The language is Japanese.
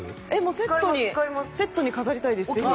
セットに飾りたいです。